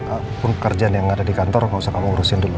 apapun pekerjaan yang ada di kantor nggak usah kamu urusin dulu